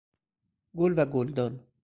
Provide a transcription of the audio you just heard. گل و گلدان